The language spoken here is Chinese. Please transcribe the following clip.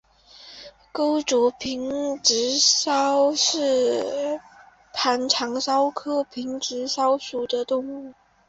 钩足平直蚤为盘肠蚤科平直蚤属的动物。